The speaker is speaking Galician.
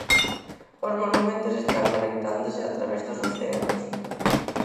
Os monumentos están conectándose a través dos océanos.